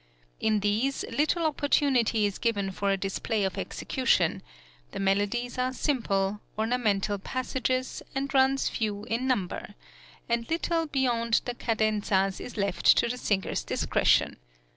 In these, little opportunity is given for a display of execution; the melodies are simple, ornamental passages and runs few in number, and little beyond the cadenzas is left to the singers' discretion.